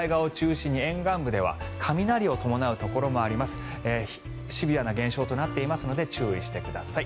シビアな現象となっていますので注意してください。